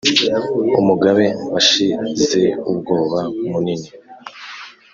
umugabe washize ubwoba munini